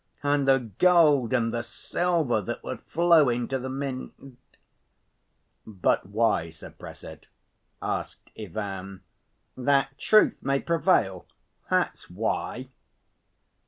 And the gold and the silver that would flow into the mint!" "But why suppress it?" asked Ivan. "That Truth may prevail. That's why."